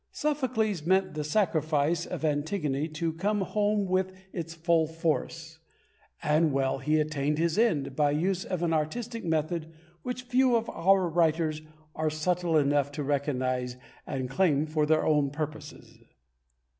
Sophocles meant the sacrifice of Antigone to come home with its full force; and well he attained his end by use of an artistic method which few of our writers are subtle enough to recognise and claim for their own purposes.